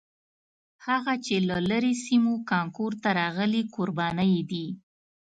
هغه چې له لرې سیمو کانکور ته راغلي کوربانه یې دي.